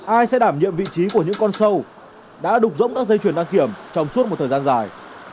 ai sẽ đảm nhiệm vị trí của những con sâu đã đục rỗng các dây chuyển đăng kiểm trong suốt một thời gian dài